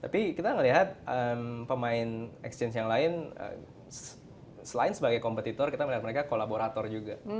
tapi kita melihat pemain exchange yang lain selain sebagai kompetitor kita melihat mereka kolaborator juga